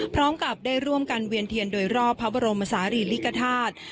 พร้อมกับได้ร่วมกันเวียนเทียนโดยรอบพระบรมศาลีลิกธาตุ